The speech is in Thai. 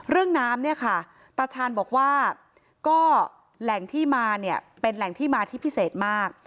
เรื่องน้ำตาชาลบอกว่าแหล่งที่มาเป็นแหล่งที่มาที่พิเศษมาก